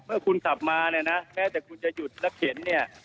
เมื่อคุณขับมาแม้แต่คุณจะหยุดแล้วเข็น